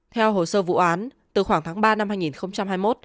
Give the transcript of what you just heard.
theo hồ sơ vụ án từ khoảng tháng ba năm hai nghìn hai mươi một